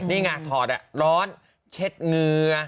นี่ไงถอดร้อนเช็ดเหงื่อ